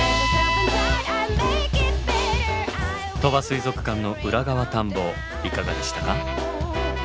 鳥羽水族館の裏側探訪いかがでしたか？